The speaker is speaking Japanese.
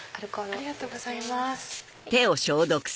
ありがとうございます。